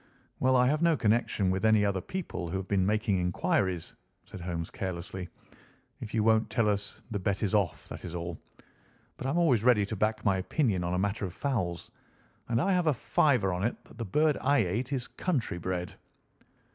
"Well, I have no connection with any other people who have been making inquiries," said Holmes carelessly. "If you won't tell us the bet is off, that is all. But I'm always ready to back my opinion on a matter of fowls, and I have a fiver on it that the bird I ate is country bred."